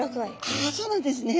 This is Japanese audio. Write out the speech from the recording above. あそうなんですね。